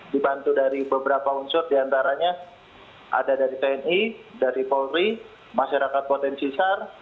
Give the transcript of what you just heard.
dibantu dari beberapa unsur diantaranya ada dari tni dari polri masyarakat potensi sar